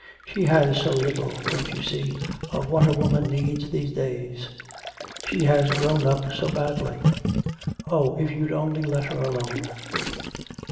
She has so little don't you see? of what a woman needs these days. She has grown up so badly. Oh, if you'd only let her alone.